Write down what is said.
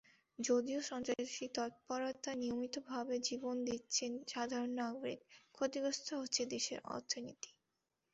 যদিও সন্ত্রাসী তৎপরতায় নিয়মিতভাবে জীবন দিচ্ছে সাধারণ নাগরিক, ক্ষতিগ্রস্ত হচ্ছে দেশের অর্থনীতি।